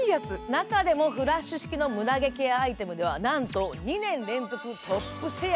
中でもフラッシュ式のムダ毛ケアアイテムでは、なんと２年連続のトップシェア。